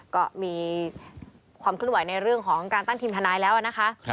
ก็มีความเคลื่อนไหวในเรื่องของการตั้งทีมทนายแล้วนะคะ